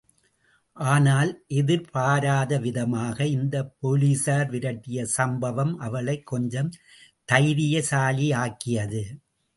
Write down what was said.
ஆனால் எதிர்பாராதவிதமாக இந்த போலீசார் விரட்டிய சம்பவம் அவளைக் கொஞ்சம் தைரியசாலியாக்கியது.